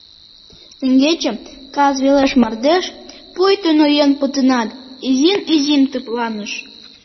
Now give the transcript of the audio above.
Теҥгече кас велеш мардеж, пуйто ноен пытенат, изин-изин тыпланыш.